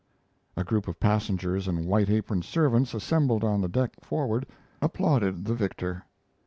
A group of passengers and white aproned servants, assembled on the deck forward, applauded the victor.